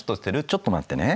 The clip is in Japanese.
ちょっと待ってね。